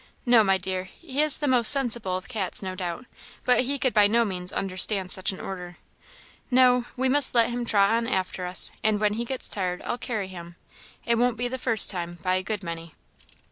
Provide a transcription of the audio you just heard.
"No, my dear; he is the most sensible of cats, no doubt, but he could by no means understand such an order. No, we must let him trot on after us, and when he gets tired I'll carry him; it won't be the first time, by a good many."